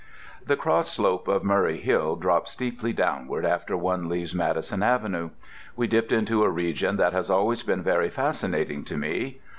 The cross slope of Murray Hill drops steeply downward after one leaves Madison Avenue. We dipped into a region that has always been very fascinating to me.